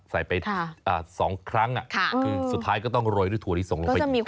ใส่ไป๒ครั้งคือสุดท้ายก็ต้องโรยด้วยถั่วลิสงลงไป